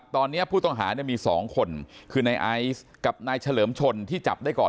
ตอนนี้ผู้ต้องหามี๒คนคือนายไอซ์กับนายเฉลิมชนที่จับได้ก่อน